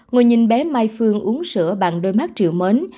ngồi nhìn bé mai phương uống sữa bằng đôi mắt triệu mến